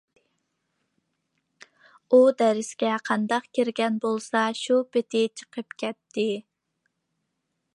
ئۇ دەرسكە قانداق كىرگەن بولسا شۇ پېتى چىقىپ كەتتى.